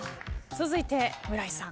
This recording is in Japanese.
続いて村井さん。